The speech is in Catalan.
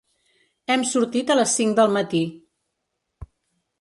Hem sortit a les cinc del matí.